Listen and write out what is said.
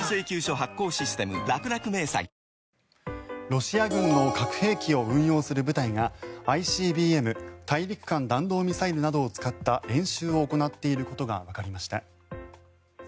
ロシア軍の核兵器を運用する部隊がＩＣＢＭ・大陸間弾道ミサイルなどを使った演習を行っていることがわかりました。